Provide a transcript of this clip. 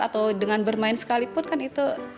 atau dengan bermain sekalipun kan itu